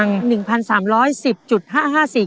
หน่วงเทพเกษมมีระยะทาง